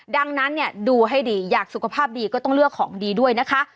ดังนั้นเนี่ยดูให้ดีอยากสุขภาพดีก็ต้องเลือกของดีด้วยนะคะ